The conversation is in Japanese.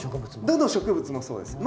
どの植物もそうです。